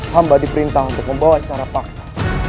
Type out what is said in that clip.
hamba diperintah untuk membawa secara paksa